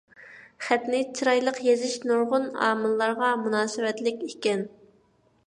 خەتنى چىرايلىق يېزىش نۇرغۇن ئامىللارغا مۇناسىۋەتلىك ئىكەن.